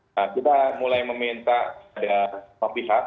nah kita mulai meminta dari pihak